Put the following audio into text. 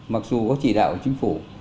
mặc dù có chỉ đạo của chính phủ